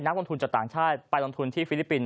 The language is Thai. ลงทุนจากต่างชาติไปลงทุนที่ฟิลิปปินส